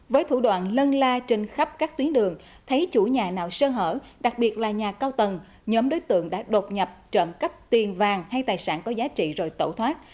với thủ đoạn lân la trên khắp các tuyến đường thấy chủ nhà nào sơ hở đặc biệt là nhà cao tầng nhóm đối tượng đã đột nhập trộm cắp tiền vàng hay tài sản có giá trị rồi tẩu thoát